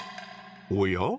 おや？